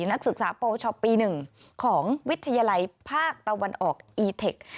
นักศึกษาปวชปี๑ของวิทยาลัยภาคตะวันออกอีเทค